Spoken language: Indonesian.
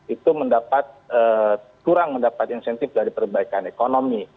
itu kurang mendapat insentif dari perbaikan ekonomi